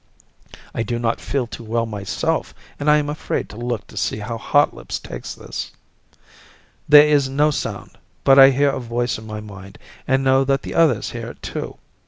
I do not feel too well myself, and I am afraid to look to see how Hotlips takes this. There is no sound, but I hear a voice in my mind and know that the others hear it too.